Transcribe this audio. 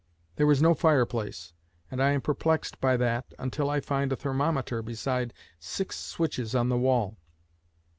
There is no fireplace, and I am perplexed by that until I find a thermometer beside six switches on the wall.